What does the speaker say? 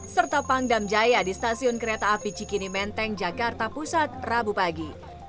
serta pangdam jaya di stasiun kereta api cikini menteng jakarta pusat rabu pagi